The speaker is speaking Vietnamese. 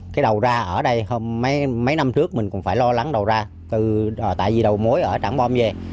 cái đầu ra ở đây mấy năm trước mình còn phải lo lắng đầu ra tại vì đầu mối ở trảng bom về